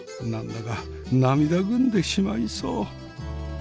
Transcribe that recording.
何だか涙ぐんでしまいそう。